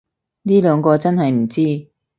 呢兩個真係唔知